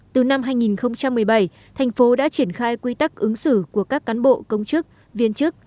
từ năm hai nghìn một mươi bảy thành phố đã triển khai quy tắc ứng xử của các cán bộ công chức viên chức